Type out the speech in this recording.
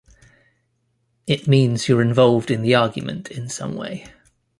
It means you're involved in the argument in some way.